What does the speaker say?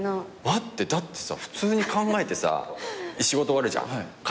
待ってだってさ普通に考えてさ仕事終わるじゃん帰ってくるじゃん。